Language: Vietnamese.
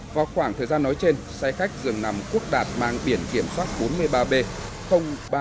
vào khoảng thời gian nói trên xe khách dường nằm quốc đạt mang biển kiểm soát bốn mươi ba b ba nghìn bảy mươi tám